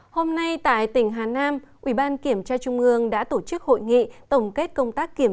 hôm nay tại tỉnh hà nam ủy ban kiểm tra trung ương đã tổ chức hội nghị tổng kết công tác kiểm